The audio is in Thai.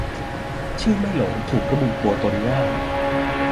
ชื่อไม่โหล ถูกระบุตัวตนง่าย